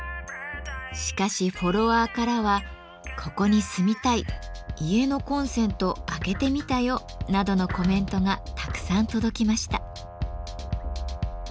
しかしフォロワーからは「ここに住みたい」「家のコンセント開けてみたよ」などのコメントがたくさん届きました。